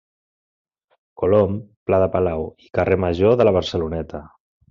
Colom, Pla de Palau i carrer major de la Barceloneta.